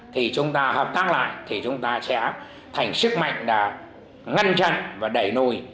thì chúng ta hợp tác lại thì chúng ta sẽ thành sức mạnh là ngăn chặn và đẩy lùi